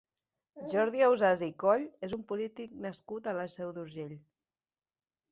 Jordi Ausàs i Coll és un polític nascut a la Seu d'Urgell.